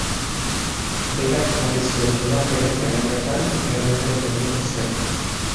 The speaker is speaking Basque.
Berak jarri zuen indarrean, garai hartan, errentaren gaineko zerga.